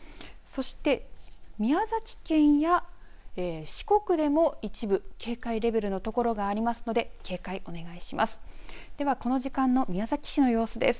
そして宮崎県や四国でも一部、警戒レベルの所がありますので警戒、お願いします。